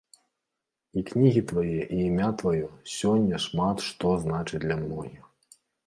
І кнігі твае і імя тваё сёння шмат што значаць для многіх.